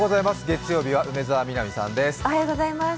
月曜日は梅澤美波さんです。